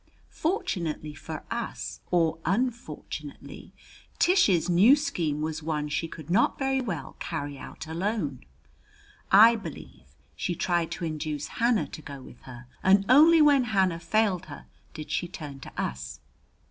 Fortunately for us, or unfortunately, Tish's new scheme was one she could not very well carry out alone. I believe she tried to induce Hannah to go with her, and only when Hannah failed her did she turn to us.